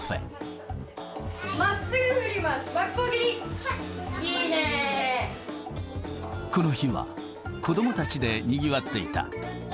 まっすぐ振ります、この日は、子どもたちでにぎわっていた。